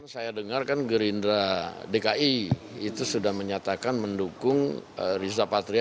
saya dengarkan gerindra dki itu sudah menyatakan mendukung rizapatria